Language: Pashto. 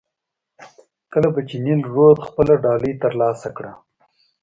کله به چې نیل رود خپله ډالۍ ترلاسه کړه.